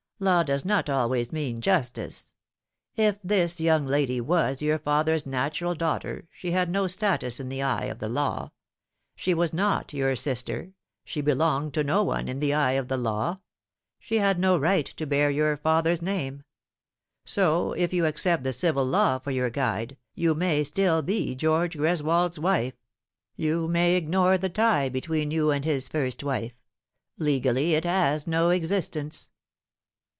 Law does not always mean justice. If this young lady was your father's natural daughter she had no status in the eye of the law. She was not your sister she belonged to np one, in the eye of the law. She had no right to bear your father's name. So, if you accept the civil law for your guide, you may still be George Greswold's wife you may ignore the tie between you and hia first wife. Legally it has no existence."